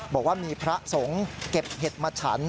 บอกว่ามีพระสงฆ์เก็บเห็ดมาฉัน